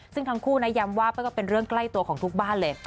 ซึ่งทั้งคู่นะย้ำว่ามันก็เป็นเรื่องใกล้ตัวของทุกบ้านเลย